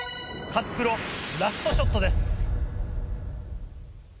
勝プロラストショットです。